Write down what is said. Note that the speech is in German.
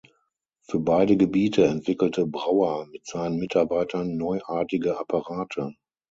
Für beide Gebiete entwickelte Brauer mit seinen Mitarbeitern neuartige Apparate.